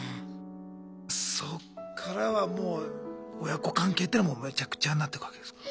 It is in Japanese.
そっからはもう親子関係っていうのはめちゃくちゃになってくわけですか？